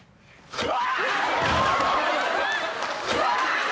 うわ！？